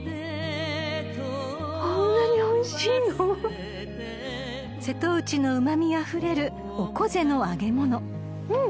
こんなにおいしいの⁉［瀬戸内のうま味あふれるおこぜの揚げ物］